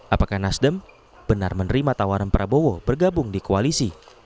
apakah nasdem benar menerima tawaran prabowo bergabung di koalisi